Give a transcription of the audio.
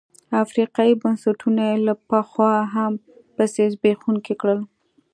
افریقايي بنسټونه یې له پخوا هم پسې زبېښونکي کړل.